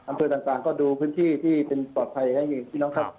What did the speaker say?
อำเภอต่างก็ดูพื้นที่ที่เป็นปลอดภัยให้พี่น้องครับ